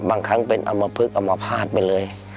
บางครั้งเป็นเอามาพึกเอามาพาดไปเลย